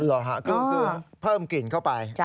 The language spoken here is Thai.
เหรอค่ะก็เพิ่มกลิ่นเข้าไป